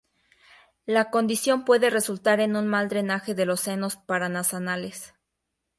La condición puede resultar en un mal drenaje de los senos paranasales.